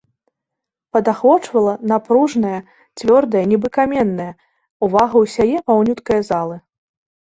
Падахвочвала напружаная, цвёрдая, нібы каменная, увага ўсяе паўнюткае залы.